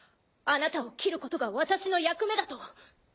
あなたを斬ることが私の役目だと。